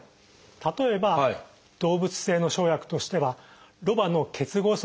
例えば動物性の生薬としてはロバの結合組織。